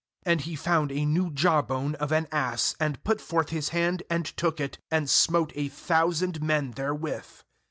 15And he found a new jaw bone of an ass, and put forth his hand, and took it, and smote a thou sand men therewith.